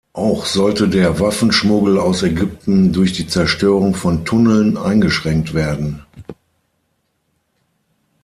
Auch sollte der Waffenschmuggel aus Ägypten durch die Zerstörung von Tunneln eingeschränkt werden.